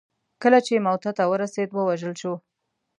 کله چې موته ته ورسېد ووژل شو.